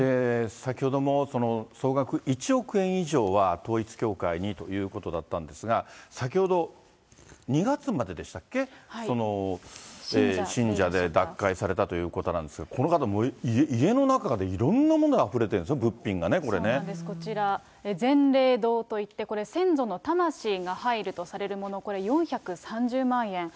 先ほども総額１億円以上は統一教会にということだったんですが、先ほど２月まででしたっけ、信者で脱会されたということなんですが、この方もう家の中までいろんなものがあふれてるんですね、物品がこちら、善霊堂といって、先祖の魂が入るとされるもの、これ４３０万円。